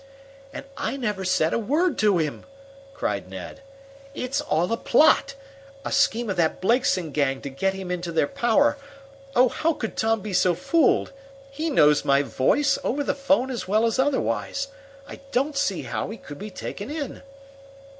"And I never said a word to him!" cried Ned. "It's all a plot a scheme of that Blakeson gang to get him into their power. Oh, how could Tom be so fooled? He knows my voice, over the phone as well as otherwise. I don't see how he could be taken in."